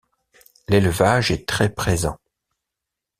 L'élevage est très présent.